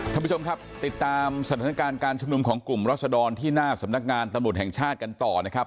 ท่านผู้ชมครับติดตามสถานการณ์การชุมนุมของกลุ่มรัศดรที่หน้าสำนักงานตำรวจแห่งชาติกันต่อนะครับ